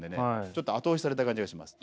ちょっと後押しされた感じがします。